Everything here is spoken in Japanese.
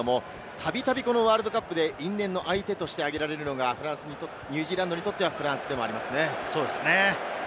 たびたびワールドカップで因縁の相手として挙げられるのがニュージーランドにとってはフランスでもありますね。